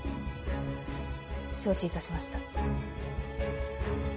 承知致しました。